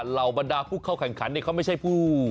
เหล่าบรรดาผู้เข้าแข่งขันเขาไม่ใช่ผู้